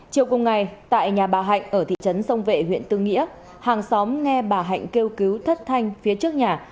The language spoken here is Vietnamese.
chiều cùng ngày tại nhà bà hạnh ở thị trấn sông vệ huyện tư nghĩa hàng xóm nghe bà hạnh kêu cứu thất thanh phía trước nhà